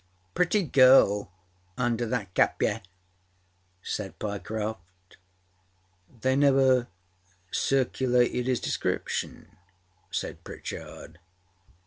â âPretty girl under that kapje,â said Pyecroft. âThey never circulated his description?â said Pritchard.